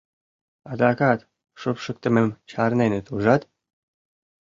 Адакат шупшыктымым чарненыт ужат?